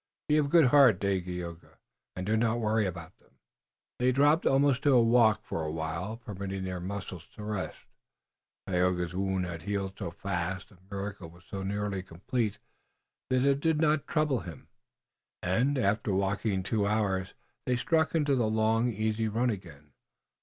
Be of good heart, Dagaeoga, and do not worry about them." They dropped almost to a walk for a while, permitting their muscles to rest. Tayoga's wound had healed so fast, the miracle was so nearly complete, that it did not trouble him, and, after walking two hours, they struck into the long, easy run again.